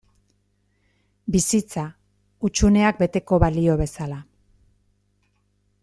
Bizitza, hutsuneak beteko balio bezala.